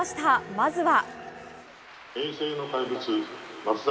まずは？